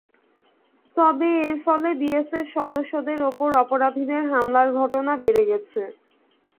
তবে এর ফলে বিএসএফ সদস্যদের ওপর অপরাধীদের হামলার ঘটনা বেড়ে গেছে।